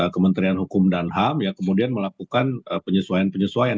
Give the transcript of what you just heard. kementerian hukum dan ham ya kemudian melakukan penyesuaian penyesuaian